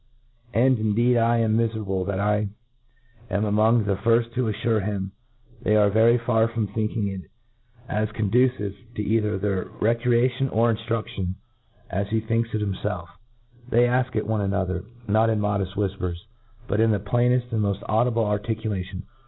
And indeed I am mifcrable that I am among the firfl to affure him they are very fer from thinking it as condu* cive to cither their recreation or inftrudion, as he thinks it lumfelf4 They a& at one apqther, not in modeft whifpers, but. in the pl;^incft and moft audible articulation.